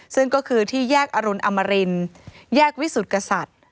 ซึ่งก็คือที่แยกอรุณอมรินแยกวิสุทธิ์กษัตริย์